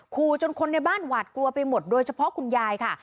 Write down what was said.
จนคนในบ้านหวาดกลัวไปหมดโดยเฉพาะคุณยายค่ะ